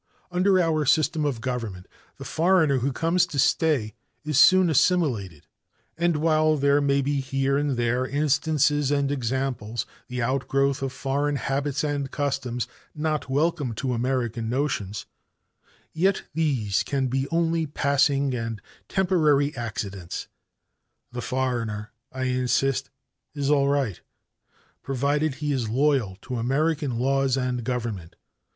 Under our system of government the foreigner who comes to stay is soon assimilated, and while there may be here and there instances and examples, the outgrowth of foreign habits and customs, not welcome to American notions, yet these can be only passing and temporary accidents. The foreigner, I insist, is all right, provided he is loyal to American laws and government.